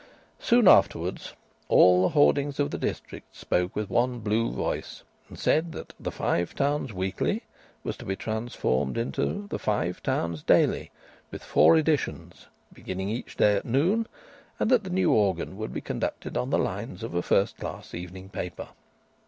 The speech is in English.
Soon afterwards all the hoardings of the district spoke with one blue voice, and said that the Five Towns Weekly was to be transformed into the Five Towns Daily, with four editions, beginning each day at noon, and that the new organ would be conducted on the lines of a first class evening paper.